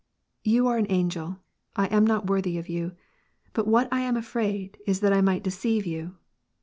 " You are an angel ! I am not worthy of you, but what I am afraid is that I might deceive you!"